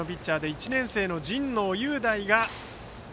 １年生の神農雄大です。